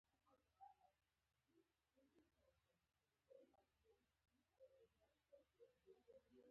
تاریخ د خپل ولس د کلتور د ساتنې لامل دی.